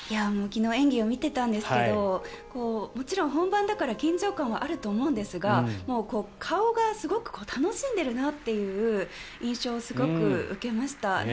昨日演技を見てたんですけどもちろん本番だから緊張感はあると思うんですが顔がすごく楽しんでるなって印象をすごく受けました。